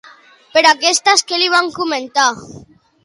Però aquestes què li van comentar?